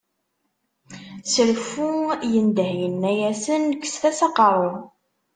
S reffu yendeh yenna-asen, kkset-as aqerru.